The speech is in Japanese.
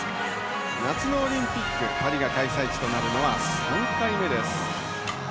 夏のオリンピック、パリが開催地となるのは３回目です。